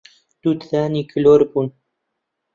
دوو ددانی کلۆر بوون